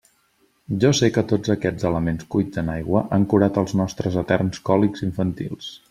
Jo sé que tots aquests elements cuits en aigua han curat els nostres eterns còlics infantils.